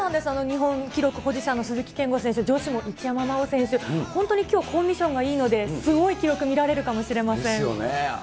日本記録保持者の鈴木健吾選手、女子も一山麻緒選手、本当にきょう、コンディションがいいので、すごい記録見られるかもしれませですよね。